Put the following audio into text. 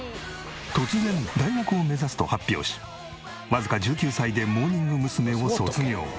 突然大学を目指すと発表しわずか１９歳でモーニング娘。を卒業。